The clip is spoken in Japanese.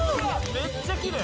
めっちゃきれい・